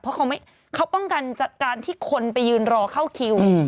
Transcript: เพราะเขาป้องกันจากการที่คนไปยืนรอเข้าคิว